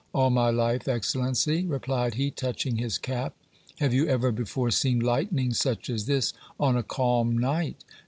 "All my life, Excellency," replied he, touching his cap. "Have you ever before seen lightning such as this on a calm night?"